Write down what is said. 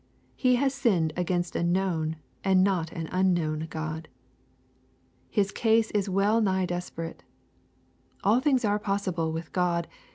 He has sinned against a known, and not an unknown God. His case is well nigh despe rate. All things are possible with God.